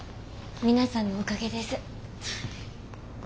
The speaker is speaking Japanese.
皆さんのおかげです。